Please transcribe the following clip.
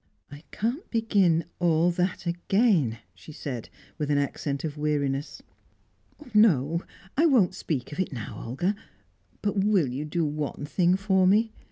"I can't begin all that again," she said, with an accent of weariness. "No! I won't speak of it now, Olga. But will you do one thing for me?